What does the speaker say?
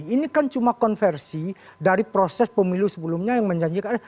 ini kan cuma konversi dari proses pemilu sebelumnya yang menjanjikan